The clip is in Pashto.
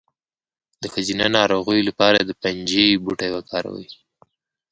د ښځینه ناروغیو لپاره د پنجې بوټی وکاروئ